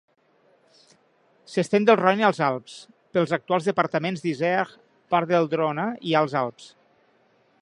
S'estén del Roine als Alps, pels actuals departaments d'Isère, part de Droma i Alts Alps.